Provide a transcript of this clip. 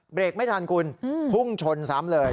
เบรกไม่ทันคุณพุ่งชนซ้ำเลย